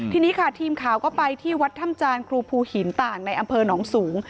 ทีนี้ค่ะทีมข่าวก็ไปที่วัดถ้ำจานครูภูหินต่างในอำเภอหนองสูง